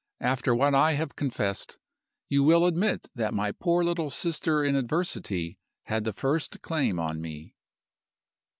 After what I have confessed, you will admit that my poor little sister in adversity had the first claim on me.